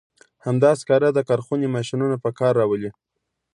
همدا سکاره د کارخونې ماشینونه په کار راولي.